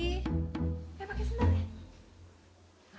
eh pake sendal ya